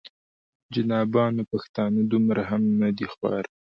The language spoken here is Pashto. جنابانو پښتانه دومره هم نه دي خوار.